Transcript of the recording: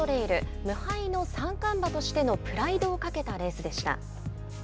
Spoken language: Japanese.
無敗の三冠馬としてのプライドをかけたレースでした。